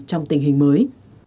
trong tình hình mới